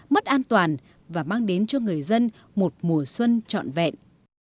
mất an toàn và mang đến cho người dân một mùa xuân trọn vẹn